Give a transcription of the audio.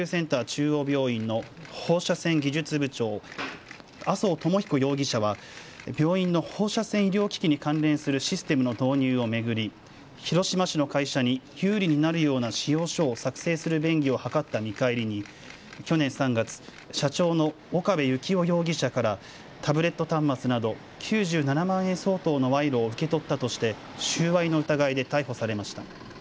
中央病院の放射線技術部長、麻生智彦容疑者は病院の放射線医療機器に関連するシステムの導入を巡り、広島市の会社に有利になるような仕様書を作成する便宜を図った見返りに去年３月、社長の岡部幸夫容疑者からタブレット端末など９７万円相当の賄賂を受け取ったとして収賄の疑いで逮捕されました。